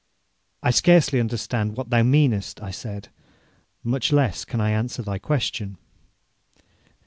'I scarcely understand what thou meanest,' I said, 'much less can I answer thy question.'